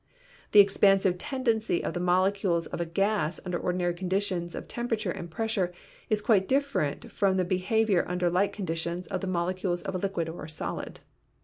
The expansive tendency of the molecules of a gas under ordinary conditions of temperature and pressure is quite different from the behavior under like conditions of the molecules of a liquid or a solid.